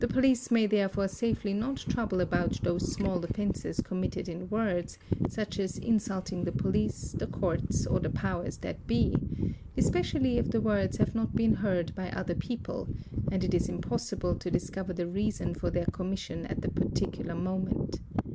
The police may therefore safely not trouble about those small offences committed in words, such as insulting the police, the Courts, or the powers that be, especially if the words have not been heard by other people and it is impossible to discover the reason for their commission at the particular moment.